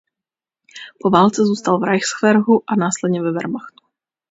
Po válce zůstal v Reichswehru a následně ve Wehrmachtu.